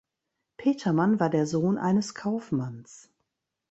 Petermann war der Sohn eines Kaufmanns.